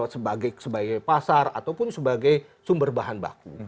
sebagai pasar ataupun sebagai sumber bahan baku